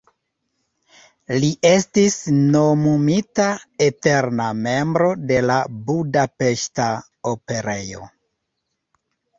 Li estis nomumita eterna membro de la Budapeŝta Operejo.